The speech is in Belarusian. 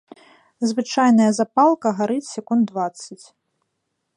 Звычайная запалка гарыць секунд дваццаць.